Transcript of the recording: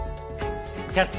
「キャッチ！